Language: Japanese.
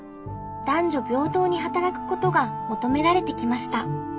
男女平等に働くことが求められてきました。